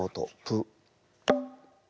「プ」。